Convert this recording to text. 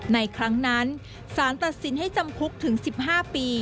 ในครั้งนั้นสารตัดสินให้จำคุกถึง๑๕ปี